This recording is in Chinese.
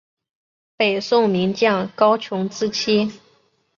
北宋名将高琼之妻。